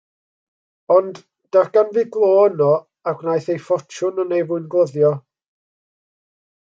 Ond, darganfu glo yno, a gwnaeth ei ffortiwn yn ei fwyngloddio.